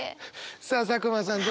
さあ佐久間さん